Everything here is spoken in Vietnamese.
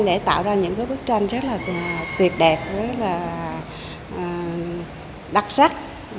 để tạo ra những bức tranh rất là tuyệt đẹp rất là đặc sắc